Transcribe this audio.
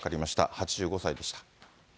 ８５歳でした。